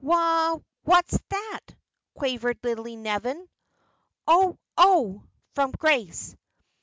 "Wha what's that?" quavered Lillie Nevin. "Oh! oh!" from Grace.